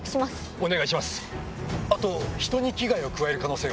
お願いします。